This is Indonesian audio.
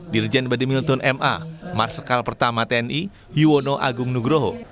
dirjen badimilton ma marsikal pertama tni yuwono agung nugroho